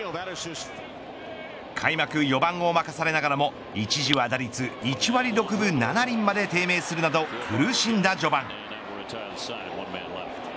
開幕４番を任されながらも一時は打率１割６分７厘まで低迷するなど苦しんだ序盤。